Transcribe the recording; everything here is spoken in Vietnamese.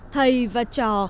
thầy và trò